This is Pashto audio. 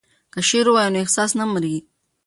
که شعر ووایو نو احساس نه مري.